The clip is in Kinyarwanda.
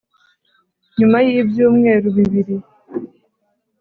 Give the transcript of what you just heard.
nyuma y'ibyumweru bibiri